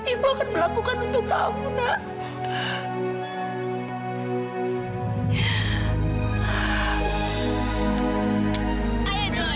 ibu akan melakukan untuk kamu nak